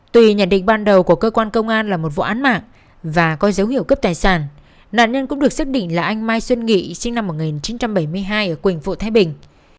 tuy nhận định ban đầu của cơ quan công an là một vụ án mạng và có dấu hiệu cướp tài sản nạn nhân cũng được xác định là anh mai xuân nghị sinh năm một nghìn chín trăm bảy mươi hai ở quỳnh phụ thái bình